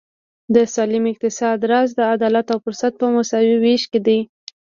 د سالم اقتصاد راز د عدالت او فرصت په مساوي وېش کې دی.